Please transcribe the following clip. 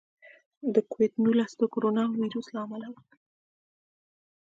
د کوویډ نولس د کورونا وایرس له امله و.